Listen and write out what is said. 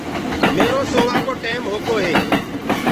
ميرو سووآ ڪو ٽيم هوگو هي